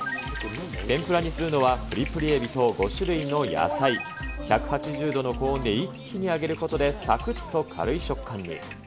天ぷらにするのはぷりぷりエビと５種類の野菜、１８０度の高温で一気に揚げることでさくっと軽い食感に。